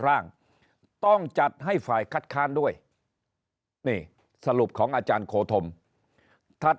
ร่างต้องจัดให้ฝ่ายคัดค้านด้วยนี่สรุปของอาจารย์โคธมถัด